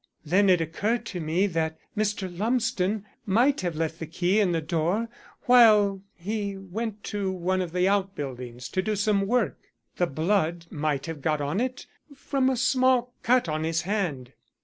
Then it occurred to me that Mr. Lumsden might have left the key in the door while he went to one of the outbuildings to do some work. The blood might have got on it from a small cut on his hand."